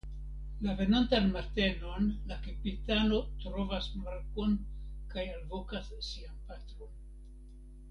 La venontan matenon la kapitano trovas Marko'n kaj alvokas sian patron.